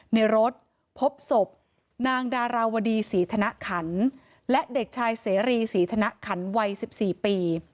ในรถพบศพนางดาราวดีศรีธนขันและเด็กชายเสรีศรีธนขันวัย๑๔ปี